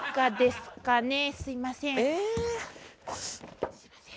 すいません。